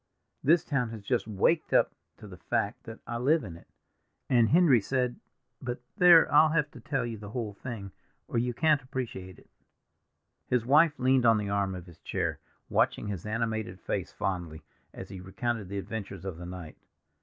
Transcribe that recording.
This town has just waked up to the fact that I live in it. And Henry said—but there, I'll have to tell you the whole thing, or you can't appreciate it." His wife leaned on the arm of his chair, watching his animated face fondly, as he recounted the adventures of the night.